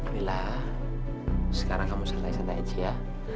lila sekarang kamu santai santai aja ya